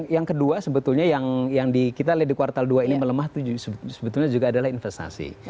yang kedua sebetulnya yang di kita lihat di kuartal dua ini melemah sebetulnya juga adalah investasi